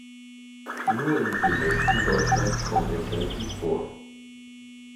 Nur im Südwesten Deutschlands kommt er selten vor.